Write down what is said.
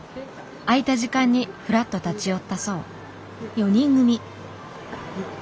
空いた時間にふらっと立ち寄ったそう。